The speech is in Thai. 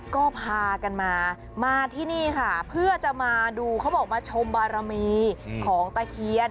ก็พากันมามาที่นี่ค่ะเพื่อจะมาดูเขาบอกมาชมบารมีของตะเคียน